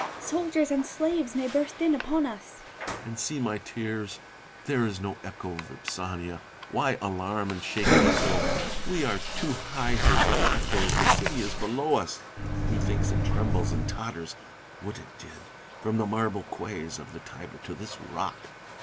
Soldiers and slaves may burst in upon us. Tiberius. And see my tears 1 There is no echo, Vip sania ; why alarm and shake me so ? We are too high here for the echoes : the city is below us. Methinks it trembles and totters : would it did ! from the marble quays of the Tiber to this rock.